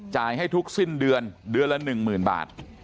จ่ายให้ทุกสิ้นเดือนเดือนละหนึ่งหมื่นบาท